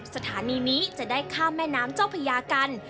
สถานีนี้จะได้ข้ามแม่น้ำเจ้าพญากัน